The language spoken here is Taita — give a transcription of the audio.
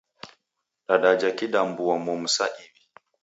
Dadajha kidambua-momu saa iw'i.